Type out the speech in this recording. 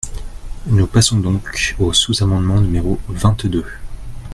Nous passons donc au sous-amendement numéro vingt-deux.